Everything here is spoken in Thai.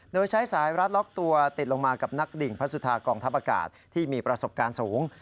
โดยใช้สายรัดล็อกตัวติดลงมากับนักดิ่งพระสุธากองทัพอากาศที่มีประสบการณ์สูง